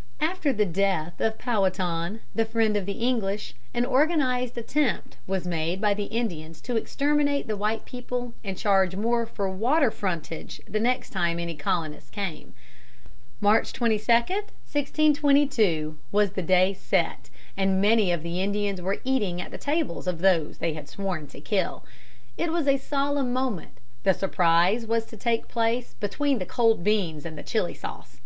] After the death of Powhatan, the friend of the English, an organized attempt was made by the Indians to exterminate the white people and charge more for water frontage the next time any colonists came. March 22, 1622, was the day set, and many of the Indians were eating at the tables of those they had sworn to kill. It was a solemn moment. The surprise was to take place between the cold beans and the chili sauce.